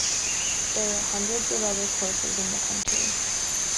There are hundreds of other courses in the country.